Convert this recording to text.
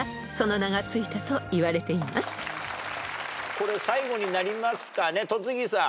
これ最後になりますかね戸次さん。